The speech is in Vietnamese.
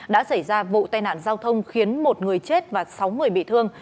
đã xảy ra vụ tai nạn giao thông khiến một người chết và sáu người bị thương